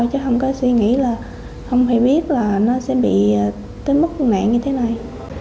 chứ không có suy nghĩ là không phải biết là nó sẽ bị tên bức nạn như thế này